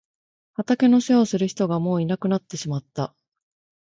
畑の世話をする人がもういなくなってしまった。